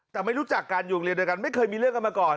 แต่ไม่รู้จักกันอยู่โรงเรียนด้วยกันไม่เคยมีเรื่องกันมาก่อน